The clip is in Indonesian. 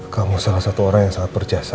kamu salah satu orang yang sangat berjasa